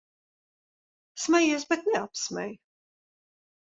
Smejies, bet neapsmej.